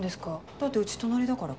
だって家隣だから。